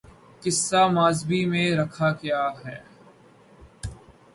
قصہ ماضی میں رکھا کیا ہے